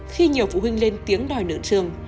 khi nhiều phụ huynh lên tiếng đòi nửa trường